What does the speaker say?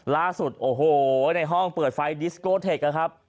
ล่าสุดโอ้โหในห้องเปิดไฟดิสโกเทคนะครับ